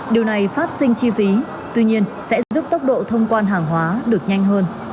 điều này phát sinh chi phí tuy nhiên sẽ giúp tốc độ thông quan hàng hóa được nhanh hơn